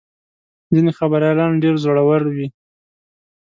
ځینې خبریالان ډېر زړور وي.